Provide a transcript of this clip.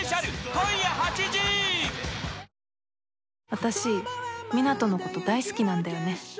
私、湊斗のこと大好きなんだよね。